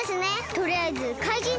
とりあえずかいじん